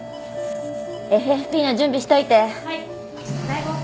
ＦＦＰの準備しといて！